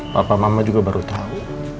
papa mama juga baru tahu